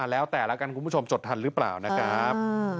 แล้วแต่ละกันคุณผู้ชมจดทันหรือเปล่านะครับ